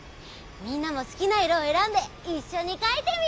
みんなもすきないろをえらんでいっしょにかいてみよう！